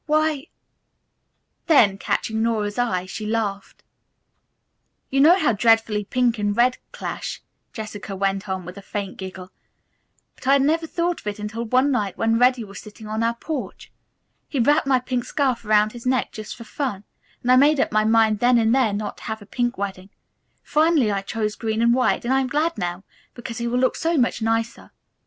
"Why " Then, catching Nora's eye, she laughed. "You know how dreadfully pink and red clash," Jessica went on, with a faint giggle, "but I had never thought of it until one night when Reddy was sitting on our porch. He wrapped my pink scarf around his neck just for fun, and I made up my mind then and there not to have a pink wedding. Finally, I chose green and white, and I'm glad now, because he will look so much nicer."